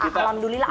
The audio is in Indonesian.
kalau mendulilah aman